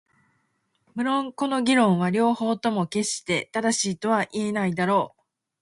無論この議論は両方とも決して正しいとは言えないだろう。